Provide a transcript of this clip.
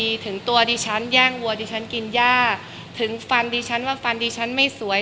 ถึงตัวดิฉันแย่งวัวดิฉันกินย่าถึงฟันดิฉันว่าฟันดิฉันไม่สวย